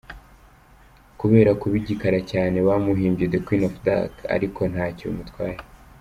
Kubera kuba igikara cyane bamuhimbye ” The Queen of the Dark” ariko ntacyo bimutwaye.